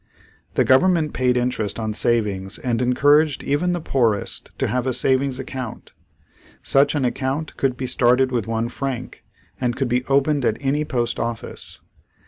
The government paid interest on savings and encouraged even the poorest to have a savings account. Such an account could be started with one franc and could be opened at any post office.